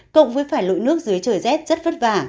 cộng với phải lội nước dưới trời rét rất vất vả